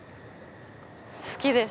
好きです